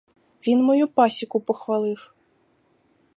Він мою пасіку похвалив.